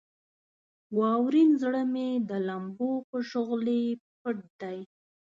واورین زړه مې د لمبو په شغلې پټ دی.